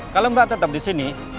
kalau mbak tetap disini